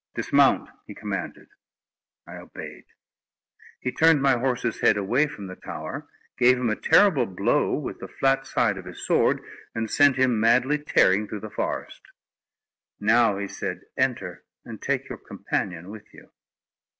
"Dismount," he commanded. I obeyed. He turned my horse's head away from the tower, gave him a terrible blow with the flat side of his sword, and sent him madly tearing through the forest. "Now," said he, "enter, and take your companion with you."